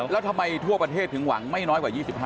แล้วทำไมทั่วประเทศถึงหวังไม่น้อยกว่า๒๕